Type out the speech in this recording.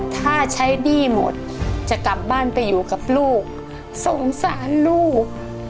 ถ้าใช้หนี้หมดจะกลับบ้านไปอยู่กับลูกสงสารลูก